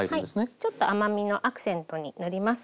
ちょっと甘みのアクセントになります。